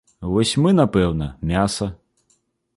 Вось мы, напэўна, мяса.